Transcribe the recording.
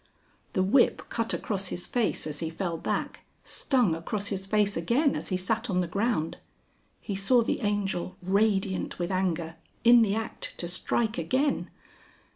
The whip cut across his face as he fell back, stung across his face again as he sat on the ground. He saw the Angel, radiant with anger, in the act to strike again.